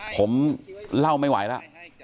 ผมเล่าไม่ไหวแล้ว